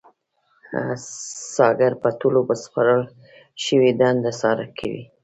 څارګر په ټولو ورسپارل شويو دنده څار کوي.